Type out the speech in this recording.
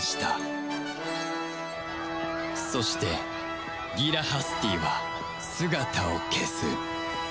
そしてギラ・ハスティーは姿を消す